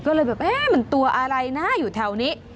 ก็เลยแบบเอ๊ะมันตัวอะไรนะอยู่แถวนี้